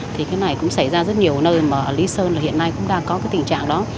thì cái này cũng xảy ra rất nhiều nơi mà lý sơn hiện nay cũng đang có tình trạng đó